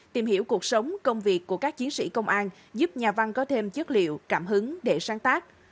tìm hiểu cuộc sống công việc của các chiến sĩ công an giúp nhà văn có thêm chất liệu cảm hứng để sáng tác